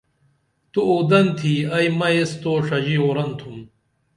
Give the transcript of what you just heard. تو اُودن تِھی ائی مئی ایس تو ݜژی ورن تُھم